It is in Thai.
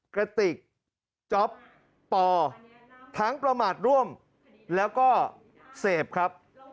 กระติกจ๊อปปทั้งประมาทร่วมแล้วก็เสพครับ